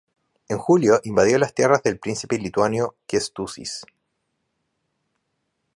En julio invadió las tierras del príncipe lituano Kęstutis.